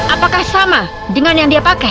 apakah sama dengan yang dia pakai